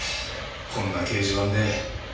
こんな掲示板で。